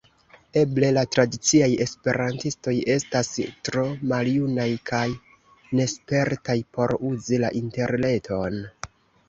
Eble la tradiciaj esperantistoj estas tro maljunaj kaj nespertaj por uzi la interreton.